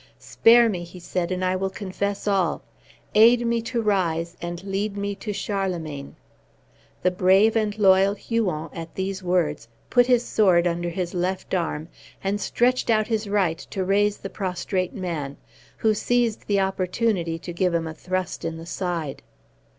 "Spare me," he said, "and I will confess all. Aid me to rise, and lead me to Charlemagne." The brave and loyal Huon, at these words, put his sword under his left arm, and stretched out his right to raise the prostrate man, who seized the opportunity to give him a thrust in the side.